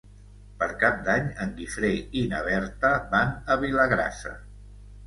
Per Cap d'Any en Guifré i na Berta van a Vilagrassa.